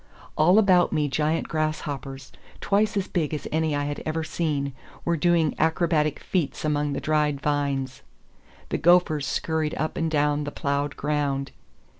All about me giant grasshoppers, twice as big as any I had ever seen, were doing acrobatic feats among the dried vines. The gophers scurried up and down the ploughed ground.